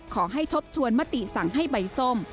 ทบทวนมติสั่งให้ใบส้ม